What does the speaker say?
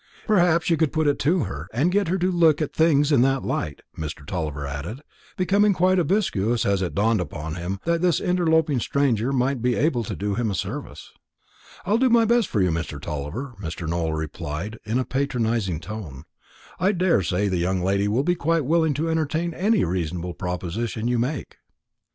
If you've any influence with the young lady, perhaps you could put it to her, and get her to look at things in that light," Mr. Tulliver added, becoming quite obsequious as it dawned upon him that this interloping stranger might be able to do him a service. "I'll do my best for you, Tulliver," Mr. Nowell replied, in a patronising tone. "I daresay the young lady will be quite willing to entertain any reasonable proposition you may make."